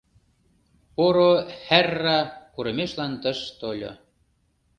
Поро хӓрра курымешлан тыш тольо.